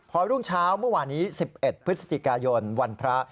พอรุ่งเช้าเมื่อวานี้๑๑พฤศจิกายนวันพระ